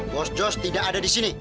bos jos tidak ada disini